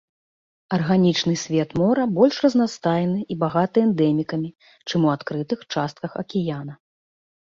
Арганічны свет мора больш разнастайны і багаты эндэмікамі, чым у адкрытых частках акіяна.